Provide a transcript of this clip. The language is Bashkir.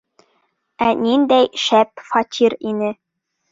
Ә ниндәй шәп фатир ине.